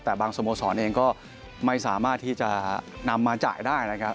แต่บางสโมสรเองก็ไม่สามารถที่จะนำมาจ่ายได้นะครับ